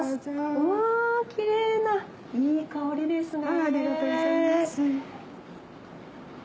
うわぁキレイないい香りですね。